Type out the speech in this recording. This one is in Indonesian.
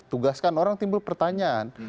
tugaskan orang timbul pertanyaan